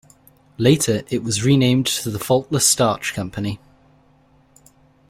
Later, it was renamed to Faultless Starch Company.